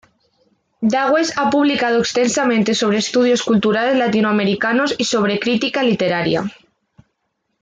Dawes ha publicado extensamente sobre estudios culturales latinoamericanos y sobre crítica literaria.